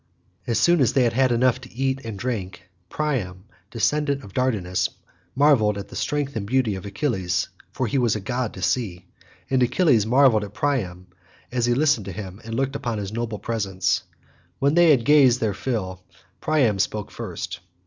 As soon as they had had enough to eat and drink, Priam, descendant of Dardanus, marvelled at the strength and beauty of Achilles for he was as a god to see, and Achilles marvelled at Priam as he listened to him and looked upon his noble presence. When they had gazed their fill Priam spoke first.